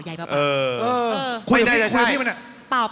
ยายแม่ปางยากใครหรือเปล่ายายแม่ปาง